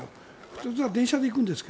いつもは電車で行くんですが。